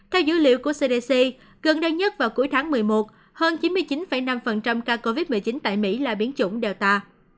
theo dữ liệu của cdc gần đây nhất vào cuối tháng một mươi một hơn chín mươi chín năm ca covid một mươi chín tại mỹ là biến chủng delta